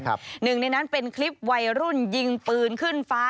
หนึ่งในนั้นเป็นคลิปวัยรุ่นยิงปืนขึ้นฟ้า